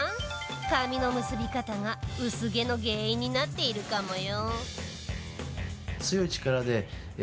髪の結び方が薄毛の原因になっているかもよ。